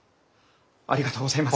ありがとうございます。